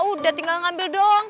udah tinggal ngambil doang